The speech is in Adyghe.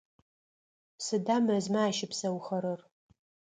Сыда мэзмэ ащыпсэухэрэр?